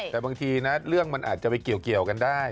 แต่บางทีนะเรื่องมันอาจจะไปเกี่ยวกันได้